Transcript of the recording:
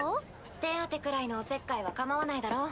手当てくらいのおせっかいはかまわないだろ？